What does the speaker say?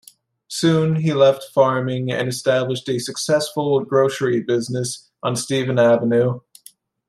Soon he left farming and established a successful grocery business on Stephen Avenue.